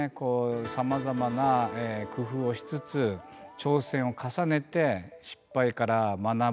さまざまな工夫をしつつ挑戦を重ねて失敗から学ぶと。